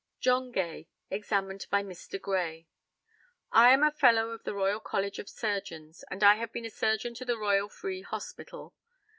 JOHN GAY, examined by Mr. GRAY: I am a Fellow of the Royal College of Surgeons, and I have been a surgeon to the Royal Free Hospital.